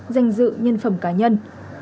danh dự nhân phẩm cá nhân